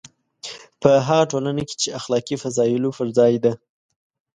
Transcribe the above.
په هغه ټولنه کې چې اخلاقي فضایلو پر ځای ده.